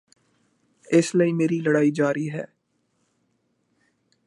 ਇਸ ਲਈ ਮੇਰੇ ਲੜਾਈ ਜਾਰੀ ਹੈ